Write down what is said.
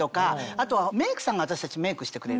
あとはメイクさんが私たちメイクしてくれる。